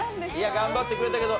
頑張ってくれたけど。